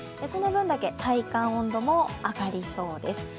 その分だけ体感温度も上がりそうです。